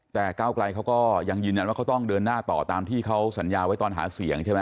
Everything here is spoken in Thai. แต่ก้าวไกลเขาก็ยังยืนยันว่าเขาต้องเดินหน้าต่อตามที่เขาสัญญาไว้ตอนหาเสียงใช่ไหม